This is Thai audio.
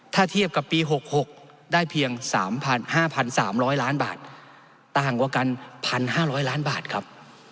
ถ้าเทียบกับปี๖๖ได้เพียง๕๓๐๐ล้านบาทต่างกว่ากัน๑๕๐๐ล้านบาทครับ